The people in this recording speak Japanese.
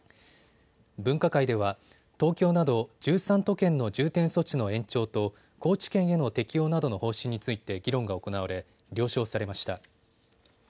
分科会では東京など１３都県の重点措置の延長と高知県への適用などの方針について議論が行われ了承されました。